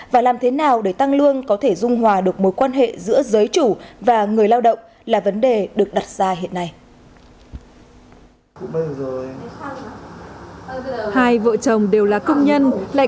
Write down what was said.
và làm thế nào để tăng lương có thể dung hòa được mối quan hệ giữa giới chủ và người lao động là vấn đề được đặt ra hiện nay